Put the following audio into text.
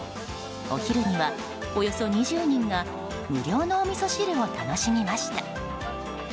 お昼には、およそ２０人が無料のおみそ汁を楽しみました。